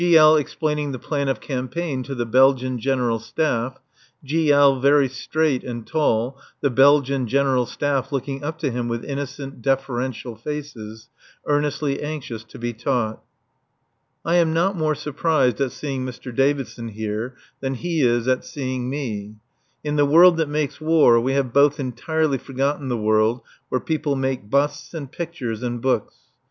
L. explaining the plan of campaign to the Belgian General Staff; G. L. very straight and tall, the Belgian General Staff looking up to him with innocent, deferential faces, earnestly anxious to be taught. I am not more surprised at seeing Mr. Davidson here than he is at seeing me. In the world that makes war we have both entirely forgotten the world where people make busts and pictures and books.